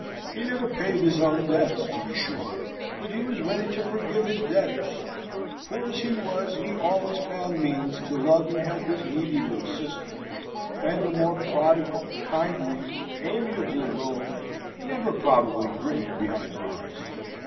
He never paid his own debts, to be sure, but he was ready to forgive his debtors. Poor as he was, he always found means to love and help his needy little sister, and a more prodigal, kindly, amiable rogue never probably grinned behind bars.